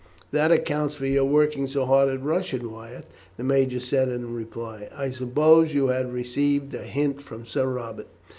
that accounts for your working so hard at Russian, Wyatt," the major said in reply. "I suppose you had received a hint from Sir Robert."